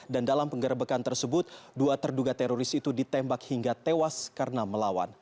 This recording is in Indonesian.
dan dalam pengerebekan tersebut dua terduga teroris itu ditembak hingga tewas karena melawan